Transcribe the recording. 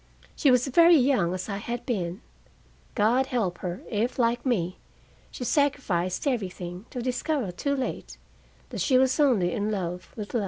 She was very young, as I had been. God help her, if, like me, she sacrificed everything, to discover, too late, that she was only in love with love!